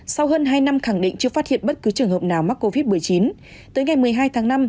sau hơn hai năm khẳng định chưa phát hiện bất cứ trường hợp nào mắc covid một mươi chín tới ngày một mươi hai tháng năm